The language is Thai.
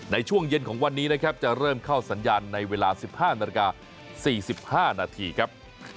ในช่วงเย็นของวันนี้นะครับจะเริ่มเข้าสัญญาณในเวลา๑๕นาฬิกา๔๕นาทีครับ